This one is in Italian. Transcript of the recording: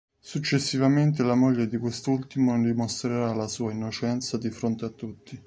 Successivamente la moglie di quest'ultimo dimostrerà la sua innocenza di fronte a tutti.